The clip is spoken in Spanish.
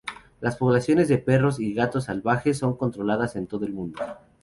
Las poblaciones de perros y gatos salvajes son controladas en todo el mundo.